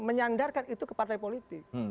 menyandarkan itu ke partai politik